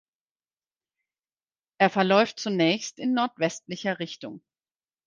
Er verläuft zunächst in nordwestlicher Richtung.